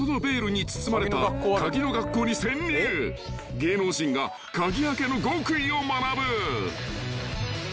［芸能人が鍵開けの極意を学ぶ］